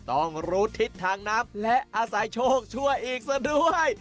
ต้องรู้ทิศทางน้ำและอาศัยโชคชั่วอีกซะด้วย